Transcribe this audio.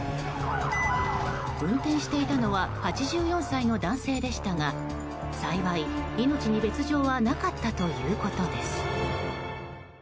運転していたのは８４歳の男性でしたが幸い、命に別条はなかったということです。